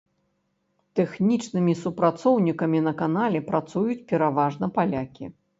Тэхнічнымі супрацоўнікамі на канале працуюць пераважна палякі.